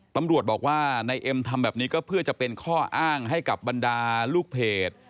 ตำรวจบอกว่านายเอ็มทำแบบนี้ก็เพื่อจะเป็นข้ออ้างให้กับบรรดาลูกเพจ